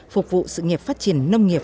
phục vụ sự nghiệp phát triển nông nghiệp